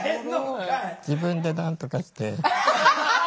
自分でなんとかして。